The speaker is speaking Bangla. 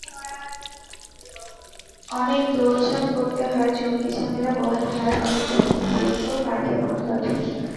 অনেক দৌড়ঝাঁপ করতে হয়, ঝক্কি-ঝামেলা পোহাতে হয়, অহেতুক দীর্ঘ কালক্ষেপণ ঘটে।